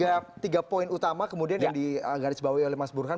ada tiga poin utama kemudian yang digarisbawahi oleh mas burhan